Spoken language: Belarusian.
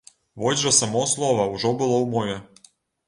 Вось жа само слова ўжо было ў мове.